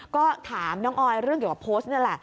ก็ถามน้องออยเรื่องเกี่ยวกับโพสต์นี่แหละ